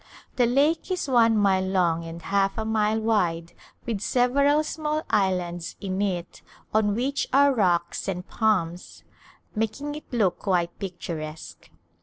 The lake is one mile lono; and half a mile wide with several small islands in it on which are rocks and palms, making it look quite picturesque.